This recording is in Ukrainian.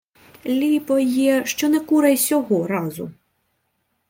— Ліпо є, що не кура й сього разу.